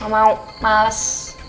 gak mau males